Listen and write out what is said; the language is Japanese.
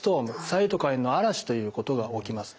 サイトカインの嵐ということが起きます。